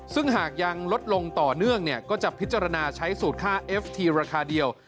ซึ่งหากยังลดลงต่อเนื่องเนี่ยก็จะพิจารณาใช้สูตรค่าเอฟทีราคาเดียว